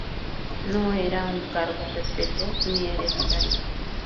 No era un cargo perpetuo ni hereditario.